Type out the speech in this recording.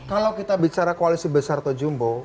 kalau kita bicara koalisi besar atau jumbo